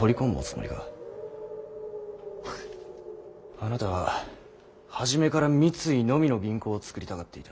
あなたは初めから三井のみの銀行を作りたがっていた。